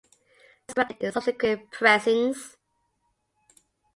This was corrected in subsequent pressings.